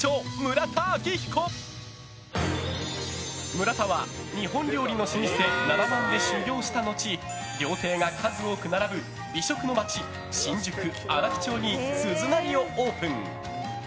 村田は日本料理の老舗なだ万で修業したのち料亭が数多く並ぶ美食の街新宿・荒木町に鈴なりをオープン。